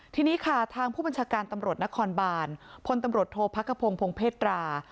ทีนี้ค่ะทางผู้บัญชาการตำรวจนครบานพลตำรวจโทษพักขพงพงเพศรา